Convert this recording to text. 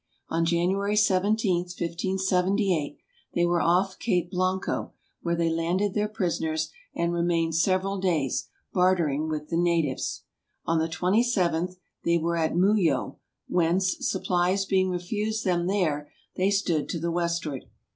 On January 17, 1578, they were off Cape Blanco, where they landed their prison ers and remained several days, bartering with the natives. On the 27th, they were at Muyo, whence, supplies being refused them there, they stood to the westward.